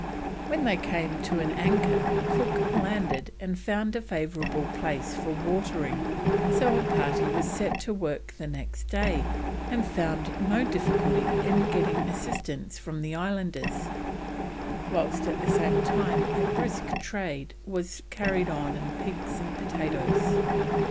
When they came to an anchor Cook landed and found a favourable place for watering, so a party was set to work the next day, and found no difficulty in getting assistance from the islanders, whilst at the same time a brisk trade was carried on in pigs and potatoes.